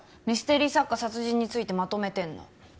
ミステリー作家殺人についてまとめてんの。